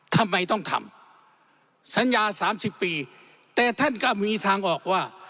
ทำไมต้องทำสัญญาสามสิบปีแต่ท่านก็มีทางออกว่า